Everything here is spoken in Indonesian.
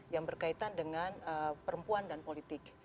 yang berkaitan dengan perempuan dan politik